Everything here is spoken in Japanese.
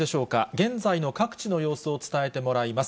現在の各地の様子を伝えてもらいます。